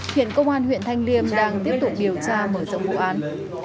hiện công an huyện thanh liêm đang tiếp tục điều tra mở rộng vụ án